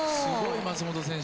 松本選手